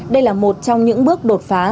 đây là một trong những bước đột phá